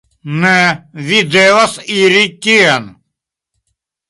Ne, vi devas iri tien.